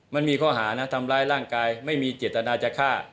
มันมีข้อหานะทำร้ายร่างกายไม่มีเจตนาจะฆ่า